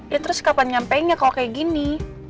ya terus kapan nyampeinnya kalau kayak gini